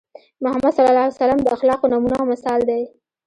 محمد ص د اخلاقو نمونه او مثال دی.